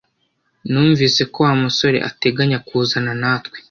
Numvise ko Wa musore ateganya kuzana natwe